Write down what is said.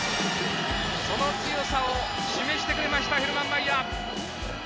その強さを示してくれましたヘルマン・マイヤー！